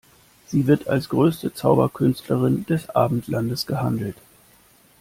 Sie wird als größte Zauberkünstlerin des Abendlandes gehandelt.